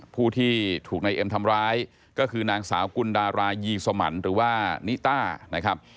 ผู้ที่ถูกนายเอ็มทำร้ายก็คือนางสาวกุลดารายีสมันหรือว่านิต้านะครับ